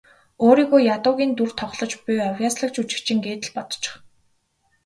Өөрийгөө ядуугийн дүрд тоглож буй авъяаслагжүжигчин гээд л бодчих.